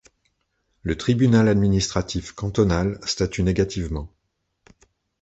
Le Tribunal administratif cantonal statue négativement.